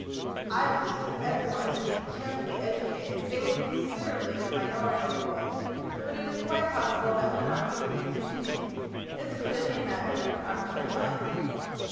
(I believe if everyone is to be carefully educated they would be considerably in the minority in the world, but it is quite possible that will not be the reader's opinion. It is clearly a matter of an arbitrary line.)